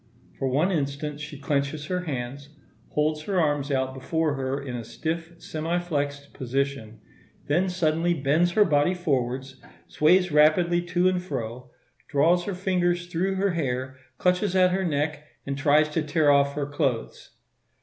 For one instant she clenches her hands, holds her arms out before her in a stiff semi flexed position; then suddenly bends her body forwards, sways rapidly to and fro, draws her fingers through her hair, clutches at her neck, and tries to tear off her clothes.